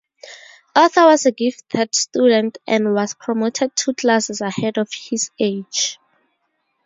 Arthur was a gifted student and was promoted two classes ahead of his age.